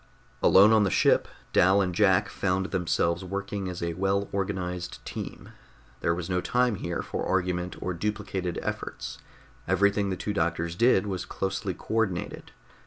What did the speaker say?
Alone on the ship, Dal and Jack found themselves working as a well organized team. There was no time here for argument or duplicated efforts; everything the two doctors did was closely co ordinated.